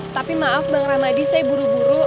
tapi maaf bang ramadi saya buru buru